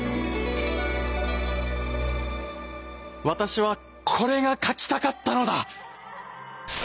私はこれが描きたかったのだ！